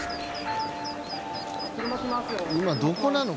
今どこなの？